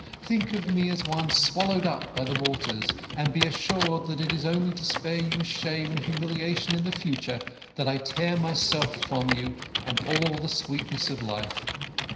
Think of me as one swallowed up by the waters, and be assured that it is only to spare you shame and humiliation in the future that I tear myself from you and all the sweetness of life.